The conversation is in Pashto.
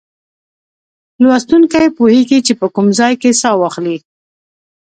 لوستونکی پوهیږي چې په کوم ځای کې سا واخلي.